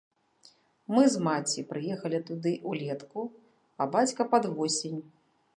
Мы з маці прыехалі туды ўлетку, а бацька пад восень.